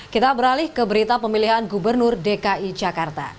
kita beralih ke berita pemilihan gubernur dki jakarta